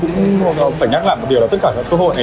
tôi cũng phải nhắc lại một điều là tất cả các cơ hội này